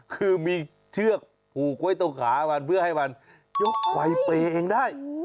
คือมีเชือกผูกไว้ตรงขามันเพื่อให้มันยกไฟเปย์เองได้